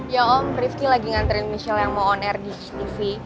ya om rifki lagi nganterin michelle yang mau on air di tv